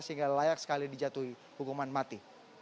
sehingga layak sekali dijatuhi hukuman mati